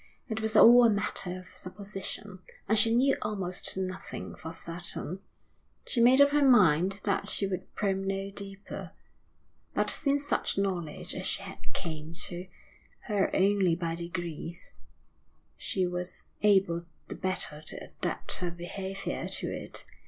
It was all a matter of supposition, and she knew almost nothing for certain. She made up her mind that she would probe no deeper. But since such knowledge as she had came to her only by degrees, she was able the better to adapt her behaviour to it.